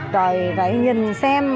trời vậy nhìn xem